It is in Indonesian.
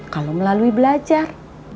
kalau melalui belajar